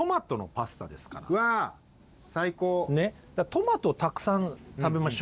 トマトたくさん食べましょうよ。